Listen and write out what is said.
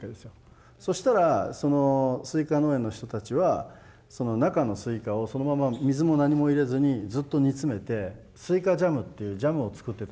そしたらそのスイカ農園の人たちはその中のスイカをそのまま水も何も入れずにずっと煮詰めてスイカジャムっていうジャムを作ってたんですね。